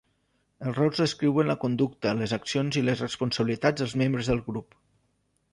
Els rols descriuen la conducta, les accions i les responsabilitats dels membres del grup.